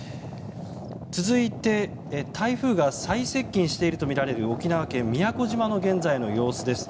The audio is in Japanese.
続いて、台風が最接近しているとみられる沖縄県宮古島の現在の様子です。